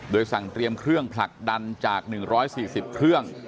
สั่งเตรียมเครื่องผลักดันจาก๑๔๐เครื่อง